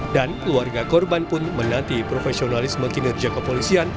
dan keluarga korban pun menanti profesionalis mekinerja kepolisian